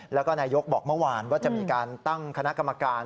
แล้วก็นายกบอกเมื่อวานว่าจะมีการตั้งคณะกรรมการ